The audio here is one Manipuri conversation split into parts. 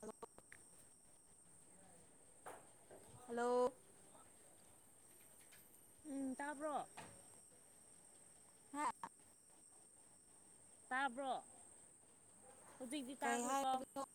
ꯍꯜꯂꯣ ꯍꯂꯣ ꯎ ꯇꯥꯕ꯭ꯔꯣ ꯍꯥꯥ ꯇꯥꯕ꯭ꯔꯣ ꯍꯧꯖꯤꯛꯇꯛꯇꯤ ꯀꯩ ꯇꯥꯈ꯭ꯔꯦꯀꯣ ꯍꯥꯏꯕꯅꯣ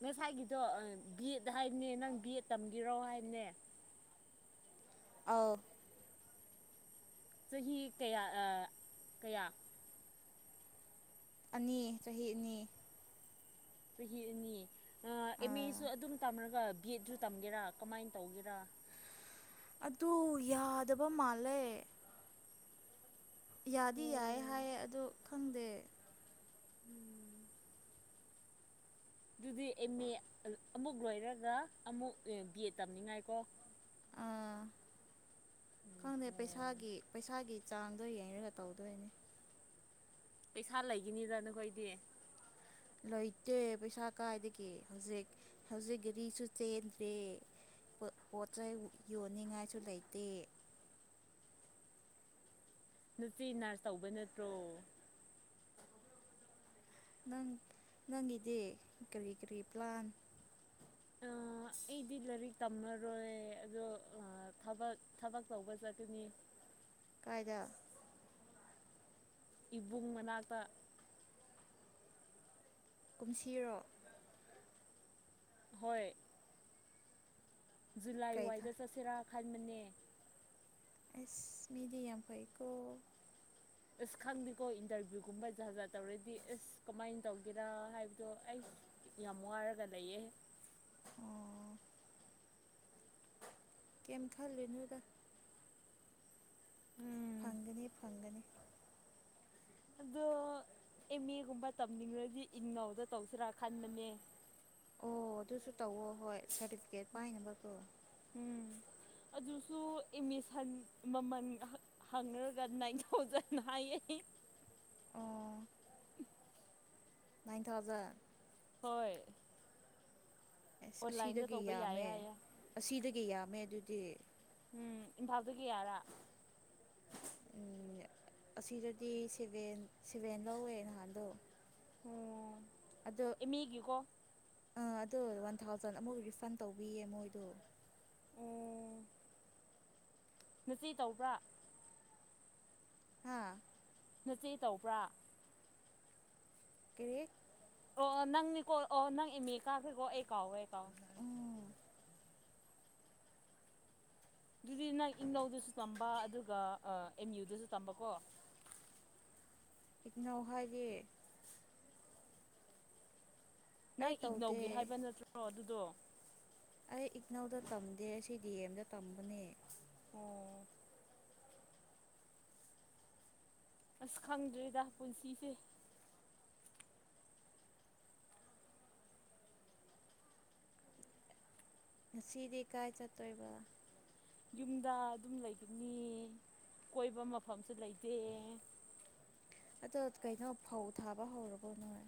ꯉꯁꯥꯏꯒꯤꯗꯣ ꯕꯤ ꯑꯦꯠ ꯍꯥꯏꯕꯅꯦ ꯅꯪ ꯕꯤ ꯑꯦꯗ ꯇꯝꯈꯤꯔꯣ ꯍꯥꯏꯕꯅꯦ ꯑ ꯆꯍꯤ ꯀꯌꯥ ꯀꯌꯥ ꯑꯅꯤ ꯆꯍꯤ ꯑꯅꯤ ꯆꯍꯤ ꯑꯅꯤ ꯑꯦꯝ ꯑꯥ ꯑꯦꯁꯨ ꯑꯗꯨꯝ ꯇꯝꯔꯒ ꯒꯦꯠꯁꯨ ꯇꯝꯒꯦꯔꯥ ꯀꯃꯥꯏꯅ ꯇꯧꯒꯦꯔꯥ ꯑꯗꯨ ꯌꯥꯗꯕ ꯃꯥꯜꯂꯦ ꯌꯥꯗꯤ ꯌꯥꯏ ꯍꯥꯏꯌꯦ ꯑꯗꯨ ꯈꯪꯗꯦ ꯑꯗꯨꯗꯤ ꯑꯦꯝ ꯑꯦ ꯑꯃꯨꯛ ꯂꯣꯏꯔꯒ ꯑꯃꯨꯛ ꯕꯤ ꯑꯦꯗ ꯇꯝꯅꯤꯡꯉꯥꯏ ꯀꯣ ꯑꯥ ꯈꯪꯗꯦ ꯎꯝ ꯄꯩꯁꯥꯒꯤ ꯄꯩꯁꯥꯒꯤ ꯆꯥꯡꯗꯣ ꯌꯦꯡꯉꯒ ꯇꯧꯗꯣꯏꯅꯤ ꯄꯩꯁꯥ ꯂꯩꯈꯤꯅꯤꯗ ꯅꯈꯣꯏꯗꯤ ꯂꯩꯇꯦ ꯄꯩꯁꯥ ꯀꯥꯏꯗꯒꯤ ꯍꯧꯖꯤꯛ ꯍꯧꯖꯤꯛ ꯒꯥꯔꯤꯁꯨ ꯆꯦꯟꯗ꯭ꯔꯦ ꯄꯣꯠ ꯆꯩꯩ ꯌꯣꯟꯅꯤꯡꯉꯥꯏꯁꯨ ꯂꯩꯇꯦ ꯅꯨꯆ ꯅꯅꯥꯔꯁ ꯇꯧꯕ ꯅꯠꯇ꯭ꯔꯣ ꯅꯪ ꯅꯪꯒꯤꯗꯤ ꯀꯔꯤ ꯀꯔꯤ ꯄ꯭ꯂꯥꯟ ꯑꯩꯗꯤ ꯂꯥꯏꯔꯤꯛ ꯇꯝꯃꯔꯣꯏ ꯑꯗꯣꯕ ꯊꯕꯛ ꯇꯧꯕ ꯆꯠꯀꯅꯤ ꯀꯥꯏꯗ ꯏꯕꯨꯡ ꯃꯅꯥꯛꯇ ꯀꯨꯝꯁꯤꯔꯣ ꯍꯣꯏ ꯖꯨꯂꯥꯏ ꯀꯩ ꯊꯥ ꯋꯥꯏꯗ ꯆꯁꯤꯔ ꯈꯟꯕꯅꯦ ꯑꯦꯁ ꯃꯤꯦꯗꯤꯌꯝꯩꯀ ꯑꯁ ꯈꯪꯗꯦꯀꯣ ꯏꯟꯇꯔꯚꯤꯌꯨꯒꯨꯝꯕ ꯖꯥ ꯖꯥꯠ ꯇꯧꯔꯗꯤ ꯑꯁ ꯀꯃꯥꯏꯅ ꯇꯧꯒꯦꯔ ꯍꯥꯏꯕꯗꯣ ꯑꯩꯁ ꯌꯥꯝ ꯋꯥꯔꯒ ꯂꯩꯌꯦ ꯑꯣ ꯀꯝ ꯈꯥ ꯂꯅꯗ ꯎꯝ ꯐꯪꯒꯅꯤ ꯐꯪꯒꯅꯤ ꯑꯗꯣ ꯑꯦꯝ ꯑꯦꯒꯨꯝꯕ ꯇꯝꯅꯤꯡꯉꯗꯤ ꯏꯪ ꯉꯧꯗ ꯇꯧꯁꯤꯔꯥ ꯈꯟꯕꯅꯦ ꯑꯣ ꯑꯗꯨ ꯑꯗꯨꯁꯨ ꯇꯧ ꯍꯣꯏ ꯁꯔꯇꯤꯐꯤꯀꯦꯠ ꯄꯥꯏꯅꯅꯕ ꯀꯣ ꯎꯝ ꯑꯗꯨꯁꯨ ꯏꯃꯤꯁꯟ ꯃꯃꯜ ꯍꯪꯉꯔꯒ ꯅꯥꯏꯟ ꯊꯥꯎꯖꯟ ꯍꯥꯏꯌꯦ ꯑꯩ ꯑꯣ ꯎꯝ ꯅꯥꯏꯟ ꯊꯥꯎꯖꯟ ꯍꯣꯏ ꯑꯦꯁ ꯑꯣꯟꯂꯥꯏꯟꯗ ꯑꯁꯤꯗꯒꯤ ꯇꯧꯕ ꯌꯥꯏ ꯌꯥꯝꯃꯦ ꯍꯥꯏꯌꯦ ꯑꯁꯤꯗꯒꯤ ꯀ ꯌꯥꯝꯃꯦ ꯑꯗꯨꯗꯤ ꯎꯝ ꯏꯝꯐꯥꯜꯗꯒꯤꯌꯥꯔ ꯎ ꯑꯁꯤꯗꯗꯤ ꯁꯚꯦꯟ ꯁꯚꯦꯟ ꯂꯧꯋꯦ ꯅꯍꯥꯟꯗꯣ ꯑꯗꯣ ꯑꯦꯃꯤꯒꯤꯀꯣ ꯑꯥ ꯑꯗꯣ ꯋꯥꯟ ꯊꯥꯎꯖꯟ ꯑꯃꯨꯛ ꯔꯤꯐꯟ ꯇꯧꯕꯤꯌꯦ ꯃꯣꯏꯗꯣ ꯅꯨꯄꯤ ꯇꯧꯕ꯭ꯔꯥ ꯍꯥꯥ ꯅꯆꯦ ꯇꯧꯕ꯭ꯔꯥ ꯀꯦ ꯑꯣ ꯅꯪꯅꯤꯀꯣ ꯑꯣ ꯅꯪ ꯏꯃꯦ ꯀꯥꯈ꯭ꯔꯦꯀꯣ ꯑꯩ ꯀꯥꯎꯋꯦ ꯑꯩ ꯀꯥꯎ ꯎꯝ ꯑꯗꯨꯗꯤ ꯅꯪ ꯏꯅꯧꯗꯨꯁꯨ ꯇꯝꯕ ꯑꯗꯨꯒ ꯑꯦꯝ ꯌꯨꯗꯨꯁꯨ ꯇꯝꯕꯀꯣ ꯏꯛꯅꯧ ꯍꯥꯏꯔꯤ ꯑꯩ ꯅꯪ ꯇꯧꯗꯦ ꯏꯒꯅꯧꯒꯤ ꯍꯥꯏꯕ ꯅꯠꯇ꯭ꯔꯣ ꯑꯗꯨꯗꯣ ꯑꯩ ꯏꯛꯅꯧꯗ ꯇꯝꯗꯦ ꯁꯤ ꯗꯤ ꯑꯦꯝꯗ ꯇꯝꯕꯅꯦ ꯑꯣ ꯑꯁ ꯈꯪꯗ꯭ꯔꯤꯗ ꯄꯨꯟꯁꯤꯁꯦ ꯉꯁꯤꯗꯤ ꯀꯥꯏ ꯆꯠꯇꯣꯏꯕ ꯌꯨꯝꯗ ꯑꯗꯨꯝ ꯂꯩꯒꯅꯤ ꯀꯣꯏꯕ ꯃꯐꯝꯁꯨ ꯂꯩꯇꯦ ꯑꯗꯣ ꯀꯩꯅꯣ ꯐꯧ ꯊꯥꯕ ꯍꯧꯔꯕꯣ ꯅꯣꯏ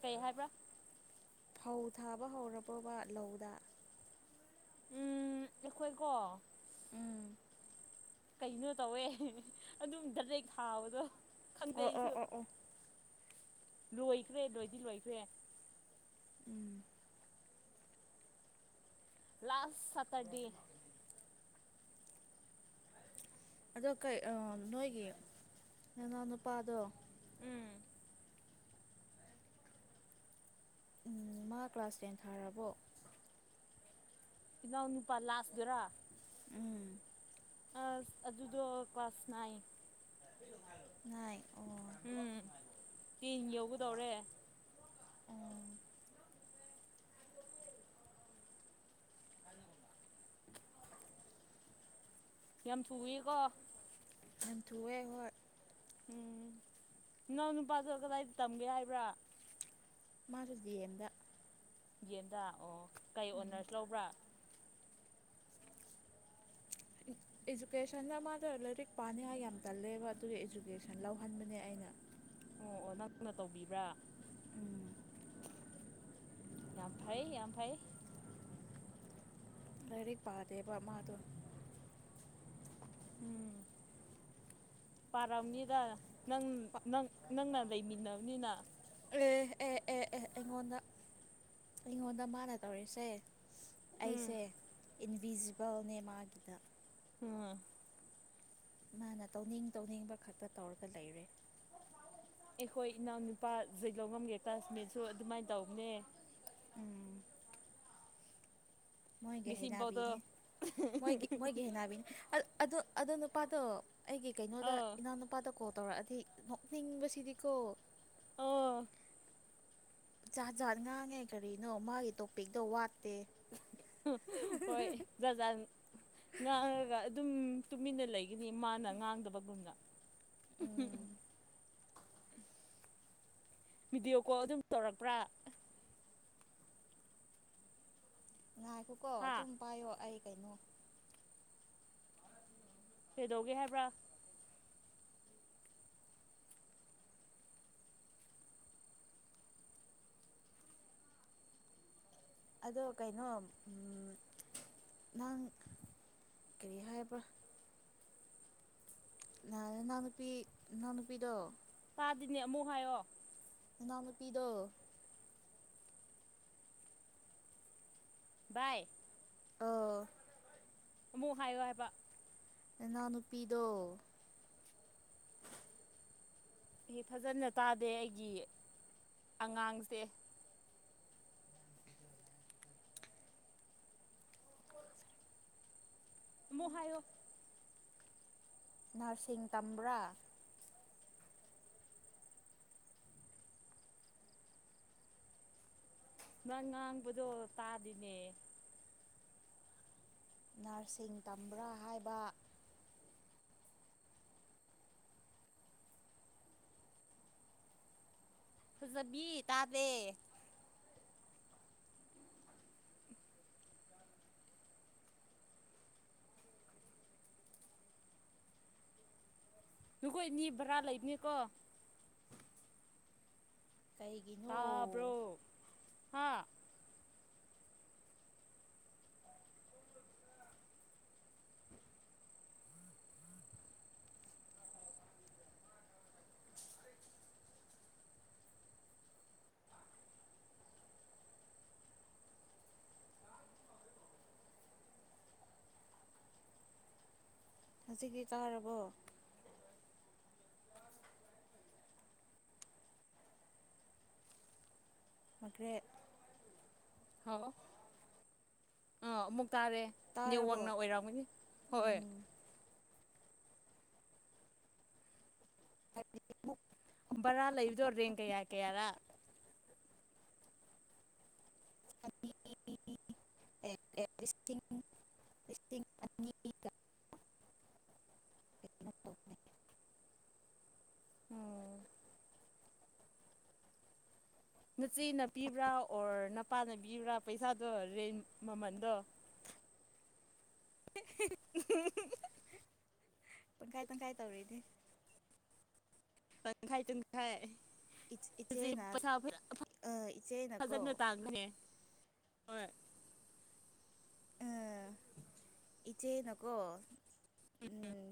ꯀꯩ ꯍꯥꯏꯕ꯭ꯔꯥ ꯐꯧ ꯊꯥꯕ ꯍꯧꯔꯕꯕ ꯂꯧꯗ ꯎꯝ ꯑꯩꯈꯣꯏꯀꯣ ꯎꯝ ꯀꯩꯅꯣ ꯇꯧꯋꯦ ꯑꯗꯨꯝ ꯗꯦꯛ ꯊꯥꯎꯕꯗꯣ ꯈꯪꯗꯦ ꯑꯣ ꯑꯩꯁꯨ ꯑꯣ ꯑꯣ ꯑꯣ ꯂꯣꯏꯈ꯭ꯔꯦ ꯂꯣꯏꯗꯤ ꯂꯣꯏꯈ꯭ꯔꯦ ꯎꯝ ꯂꯥꯁ ꯁꯇꯔꯗꯦ ꯑꯗꯣ ꯀꯩ ꯅꯣꯏꯒꯤ ꯅꯅꯥꯎ ꯅꯨꯄꯥꯗꯣ ꯎꯝ ꯎ ꯃꯥ ꯀ꯭ꯂꯥꯁ ꯇꯦꯟ ꯊꯥꯔꯕꯣ ꯏꯅꯥꯎ ꯅꯨꯄꯥ ꯂꯥꯁꯗꯔꯥ ꯎꯝ ꯑ ꯑꯗꯨꯗꯣ ꯀ꯭ꯂꯥꯁ ꯅꯥꯏꯟ ꯅ ꯑꯣ ꯎꯝ ꯇꯤ ꯌꯒꯗꯧꯔꯦ ꯎꯝ ꯌꯥꯝ ꯆꯨꯏꯀꯣ ꯑꯟꯊꯑꯦ ꯍꯣꯏ ꯎꯝ ꯏꯅꯥꯎ ꯅꯨꯄꯥꯗꯣ ꯀꯗꯥꯏꯗ ꯇꯝꯒꯦ ꯍꯥꯏꯕ꯭ꯔꯥ ꯃꯥꯁꯨ ꯑꯦꯝꯗ ꯌꯦꯗꯥ ꯑꯣ ꯀꯩ ꯑꯣꯅꯔꯁ ꯂꯧꯕ꯭ꯔꯥ ꯏꯖꯨꯀꯦꯁꯟꯗ ꯃꯥꯗ ꯂꯥꯏꯔꯤꯛ ꯄꯥꯅꯤꯡꯉꯥꯏ ꯌꯥꯝ ꯇꯜꯂꯦꯕ ꯑꯗꯨꯒꯤ ꯏꯖꯨꯀꯦꯁꯟ ꯂꯧꯍꯟꯕꯅꯦ ꯑꯩꯅ ꯑꯣ ꯑꯣ ꯅꯪꯅ ꯇꯧꯕꯤꯕ꯭ꯔꯥ ꯎꯝ ꯌꯥꯝ ꯐꯩ ꯌꯥꯝ ꯐꯩ ꯂꯥꯏꯔꯤꯛ ꯄꯥꯗꯦꯕ ꯃꯥꯗꯣ ꯎꯝ ꯄꯔꯥꯎꯅꯤꯗ ꯅꯪ ꯅꯪ ꯅꯪ ꯂꯩꯃꯤꯟꯅꯕꯅꯤꯅ ꯑꯦ ꯑꯦ ꯑꯦ ꯑꯦ ꯑꯩꯉꯣꯟꯗ ꯑꯩꯉꯣꯟꯗ ꯃꯥꯅ ꯇꯧꯔꯤꯁꯦ ꯎꯝ ꯑꯩꯁꯦ ꯏꯟꯕꯤꯖꯤꯕꯜꯅꯦ ꯃꯥꯒꯤꯗ ꯎꯝ ꯃꯥꯅ ꯇꯧꯅꯤꯡ ꯇꯧꯅꯤꯡꯕ ꯈꯠꯄ ꯇꯧꯔꯒ ꯂꯩꯔꯦ ꯑꯩꯈꯣꯏ ꯏꯅꯥꯎꯅꯨꯄꯥ ꯖꯂꯣꯡ ꯉꯝꯒꯦ ꯀ꯭ꯂꯥꯁꯃꯦꯠꯁꯨ ꯑꯗꯨꯃꯥꯏꯅ ꯇꯧꯕꯅꯦ ꯎꯝ ꯃꯣꯏꯒꯤ ꯉꯁꯤꯐꯥꯎꯗꯣ ꯍꯩꯩꯅꯕꯤꯅꯦ ꯃꯣꯏꯒꯤ ꯃꯣꯏꯒꯤ ꯍꯅꯥꯕꯤꯅꯦ ꯑꯣ ꯑꯗꯣ ꯅꯨꯄꯥꯗꯣ ꯑꯩꯒꯤ ꯀꯩꯅꯣꯗ ꯑꯥ ꯏꯅꯥꯎ ꯅꯨꯄꯥꯗ ꯀꯣ ꯇꯧꯔꯛꯑꯗꯤ ꯅꯣꯛꯅꯤꯡꯕꯁꯤꯗꯤꯀꯣ ꯑꯣ ꯖꯥꯠ ꯖꯥꯠ ꯉꯥꯡꯉꯦ ꯀꯔꯤꯅꯣ ꯃꯥꯒꯤ ꯇꯣꯄꯤꯛꯇꯣ ꯋꯥꯠ ꯍꯣꯏ ꯖꯥꯖꯥꯠ ꯉꯥꯡꯉꯒ ꯑꯗꯨꯝ ꯇꯨꯃꯤꯟꯅ ꯂꯩ ꯑꯗꯤ ꯃꯥꯅ ꯉꯥꯡꯗꯕꯒꯨꯝꯅ ꯎꯝ ꯚꯗꯤꯑꯣ ꯀꯣꯜ ꯑꯗꯨꯝ ꯇꯧꯔꯛꯄ꯭ꯔꯥ ꯉꯥꯏꯈꯣꯀꯣ ꯍꯥ ꯑꯗꯨꯝ ꯄꯥꯏꯌꯣ ꯑꯩ ꯀꯩꯅꯣ ꯂꯧꯧꯒꯦ ꯍꯥꯏꯕ꯭ꯔꯥ ꯑꯗꯣ ꯀꯩꯅꯣ ꯅꯪ ꯀꯔꯤ ꯍꯥꯏꯕ꯭ꯔꯥ ꯅꯅꯥ ꯅꯨꯄꯤ ꯏꯅꯥ ꯅꯨꯄꯤꯗꯣ ꯇꯥꯗꯤꯅꯦ ꯑꯃꯨꯛ ꯍꯥꯏꯌꯣ ꯅꯥ ꯅꯨꯨꯄꯤꯤꯗꯣ ꯕꯥꯏ ꯑꯣ ꯑꯃꯨꯛ ꯍꯥꯏꯌꯣ ꯍꯥꯏꯕ ꯏꯅꯥꯎ ꯅꯨꯄꯤꯗꯣ ꯏ ꯐꯖꯅ ꯇꯥꯗꯦ ꯑꯩꯒꯤ ꯑꯉꯥꯡꯁꯦ ꯃꯣꯍꯣ ꯅꯔꯁꯤꯡ ꯇꯝꯕ꯭ꯔꯥ ꯅꯪ ꯉꯥꯡꯕꯗꯣ ꯇꯥꯗꯤꯅꯦ ꯅꯔꯁꯤꯡ ꯇꯝꯕ꯭ꯔꯥ ꯍꯥꯏꯕ ꯍꯖꯕꯤ ꯇꯥꯗꯦ ꯅꯈꯣꯏꯅꯤ ꯕꯔꯥ ꯂꯩꯕꯅꯦꯀꯣ ꯀꯩꯒꯤꯅꯣ ꯇꯥꯕ꯭ꯔꯣ ꯍꯥ ꯍꯧꯖꯤꯛꯀꯤ ꯀꯧꯔꯕꯣ ꯃ꯭ꯔꯦ ꯍꯥꯎ ꯑ ꯇꯥꯔꯦ ꯇꯥꯔꯕꯣ ꯅꯅꯤꯋꯡꯅ ꯑꯣꯏꯔꯝꯒꯅꯤ ꯍꯣꯏ ꯎꯝ [unintelligible] ꯕꯔꯥ ꯂꯩꯕꯗꯣ ꯔꯦꯟ ꯀꯌꯥ ꯀꯌꯥꯔꯥ ꯑꯅꯤ ꯂꯤ ꯑꯅꯤꯒ ꯀꯩꯅꯣ ꯇꯧꯕ ꯎꯝ ꯅꯆꯦꯅ ꯄꯤꯕ꯭ꯔꯥ ꯑꯣꯔ ꯅꯄꯥꯅ ꯄꯤꯕ꯭ꯔꯥ ꯄꯩꯁꯥꯗꯣ ꯔꯦꯟ ꯃꯃꯟꯗꯣ [unintelligible] ꯄ ꯀꯥꯏ ꯄ ꯀꯥꯏ ꯇꯧꯔꯔꯤꯗꯤ ꯑꯪ ꯈꯥꯏ ꯇ ꯈꯥꯏ ꯏꯆꯦꯅ ꯄꯊ ꯐ ꯏꯆꯦꯅꯀꯣ ꯍꯖ ꯇꯥꯡꯒꯦ ꯍ ꯏꯆꯦꯅꯀꯣ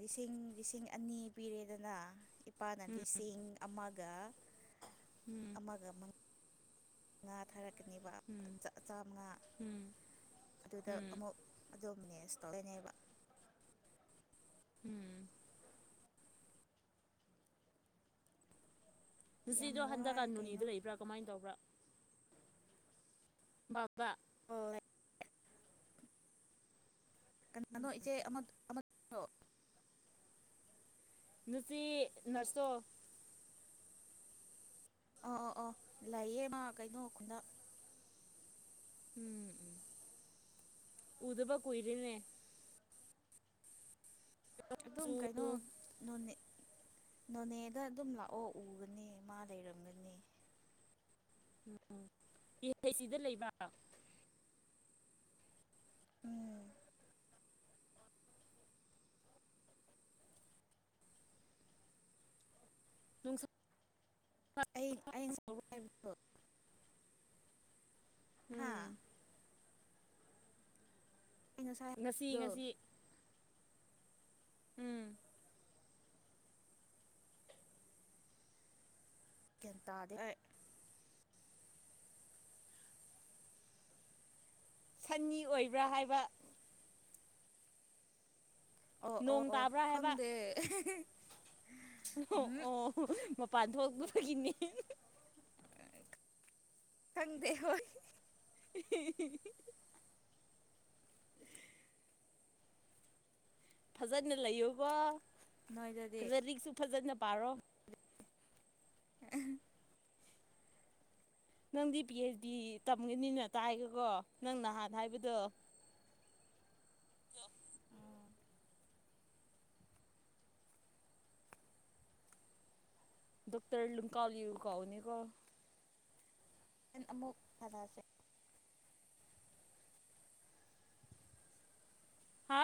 ꯂꯤꯁꯤꯡ ꯂꯤꯁꯤꯡ ꯑꯅꯤ ꯄꯤꯔꯦꯗꯅ ꯂꯨꯄꯥꯅ ꯎꯝ ꯂꯤꯁꯤꯡ ꯑꯃ ꯗ ꯎꯝ ꯑꯃꯒ ꯑꯃ ꯉꯥ ꯊꯥꯔꯛ ꯆꯀꯅꯤꯕ ꯎꯝ ꯆ ꯆꯥꯥꯝꯃꯉꯥ ꯎꯝ ꯑꯗꯨꯗ ꯎꯝ ꯑꯃꯨꯛ ꯑꯗꯣ ꯃꯦꯅꯦꯁ ꯇꯧꯔꯅꯦꯕ ꯎꯝ ꯌꯥꯝ [unintelligible] ꯋꯥꯏ ꯍꯟꯗꯛꯀꯥꯟ ꯀꯩꯅꯣ ꯅꯣꯅꯤꯗ ꯂꯩꯕ꯭ꯔꯥ ꯀꯃꯥꯏꯅ ꯇꯧꯕ꯭ꯔꯥ ꯕꯥꯕꯥ [unintelligible] ꯀꯅꯥꯅꯣ ꯏꯆꯦ ꯑꯃ ꯑꯃ ꯑꯣ꯫ ꯅꯨꯄꯤ ꯅꯔꯁꯇꯣ꯫ ꯑ ꯑ ꯑ ꯂꯩꯌꯦ ꯃꯥ ꯀꯩꯅꯣ ꯈꯨꯟꯗ ꯎꯝ ꯎꯗꯕ ꯀꯏꯔꯅꯦ ꯑꯗꯨꯝ ꯆꯨ ꯀꯩꯅꯣ ꯅꯣꯅꯤ ꯅꯣꯅꯦꯗ ꯑꯗꯨꯝ ꯂꯥꯛꯑꯣ ꯎꯒꯅꯤ ꯃꯥ ꯂꯩꯔꯝꯒꯅꯤ [unintelligible] ꯎꯝ ꯅꯨꯡꯁ ꯑꯩ ꯑꯩꯅ ꯍꯥꯏꯕꯗꯣ ꯍꯥ ꯎꯝ ꯑꯩ ꯉꯁꯥꯏ ꯉꯁꯤ ꯍꯥꯏꯕꯗꯣ ꯉꯁꯤ ꯎꯝ ꯒ꯭ꯌꯥꯟ ꯇꯥꯗꯦ ꯁꯟꯅꯤ ꯑꯣꯏꯕ꯭ꯔꯥ ꯍꯥꯏꯕ ꯑꯣ ꯑꯣ ꯅꯣꯡ ꯑꯣ ꯇꯥꯕ꯭ꯔꯥ ꯍꯥꯏꯕ ꯈꯪꯗꯦ ꯎꯝ ꯃꯄꯥꯟ ꯊꯣꯛꯄ ꯒꯤꯅꯤ ꯈꯪꯗ ꯍ [unintelligible] ꯐꯖꯅ ꯂꯩꯌꯨꯀꯣ ꯅꯣꯏꯗꯗꯤ ꯂꯥꯏꯔꯤꯛꯁꯨ ꯐꯖꯅ ꯄꯥꯔꯣ [unintelligible] ꯅꯪꯗꯤ ꯄꯤ ꯑꯩꯆ ꯗꯤ ꯇꯝꯒꯅꯤꯅ ꯇꯥꯏꯒꯀꯣ ꯅꯪ ꯅꯍꯥꯟ ꯍꯥꯏꯕꯗꯣ ꯎꯝ ꯗꯣꯛꯇꯔ ꯂꯨꯀꯥꯎꯂꯤꯌꯨ ꯀꯧꯅꯤ ꯀꯣ ꯍꯦꯟ ꯑꯃꯨꯛ ꯐꯔꯥꯁꯦ ꯍꯥ